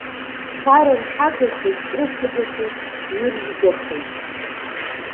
Ԥара рҳагахеит, крыфагахеит, ҩыржәгахеит.